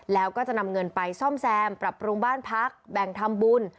แล้วก็จะนำเงินไปซ่อมแซมปรับปรุงบ้านพักแบ่งทำบุญ